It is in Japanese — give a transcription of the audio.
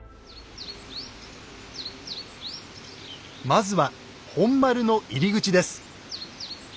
まずは本丸の入り口です。